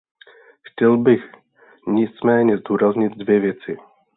Chtěl bych nicméně zdůraznit dvě věci.